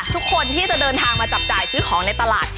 ทุกคนที่จะเดินทางมาจับจ่ายซื้อของในตลาด